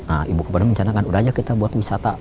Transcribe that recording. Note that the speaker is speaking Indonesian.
nah ibu kepala mencanakan udah aja kita buat wisata